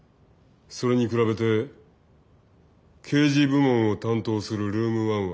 それに比べて刑事部門を担当するルーム１は。